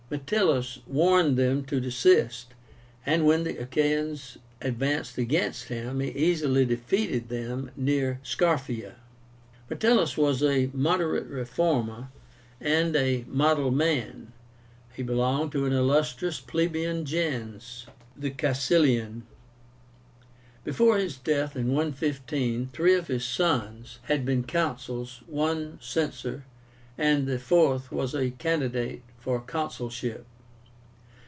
Metellus warned them to desist, and when the Achaeans advanced against him, he easily defeated them near SCARPHEIA. Metellus was a moderate reformer and a model man. He belonged to an illustrious plebeian gens, the Caecilian. Before his death in 115 three of his sons had been consuls, one censor, and the fourth was a candidate for the consulship.